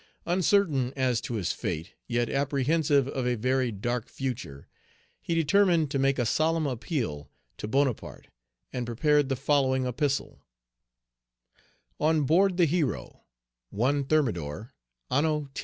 Uncertain as to his fate, yet apprehensive of a very dark future, he determined to make a solemn appeal to Bonaparte, and prepared the following epistle: "ON BOARD THE HERO, 1 Thermidor, an X.